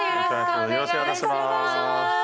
お願いします